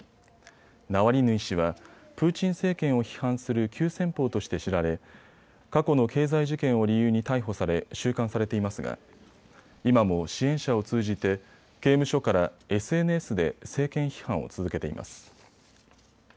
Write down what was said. ナワリヌイ氏はプーチン政権を批判する急先ぽうとして知られ過去の経済事件を理由に逮捕され収監されていますが今も支援者を通じて刑務所からＳＮＳで政権批判を続けています。